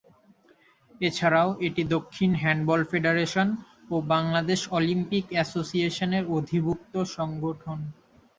এছাড়াও এটি দক্ষিণ হ্যান্ডবল ফেডারেশন ও বাংলাদেশ অলিম্পিক অ্যাসোসিয়েশনের অধিভুক্ত সংগঠন।